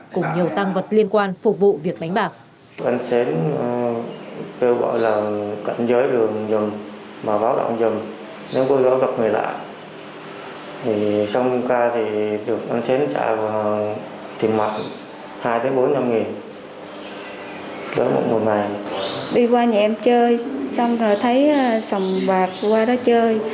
cùng nhiều tăng vật liên quan phục vụ việc đánh bạc